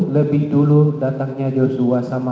lebih dulu datangnya joshua sama